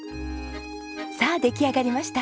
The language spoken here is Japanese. さあ出来上がりました。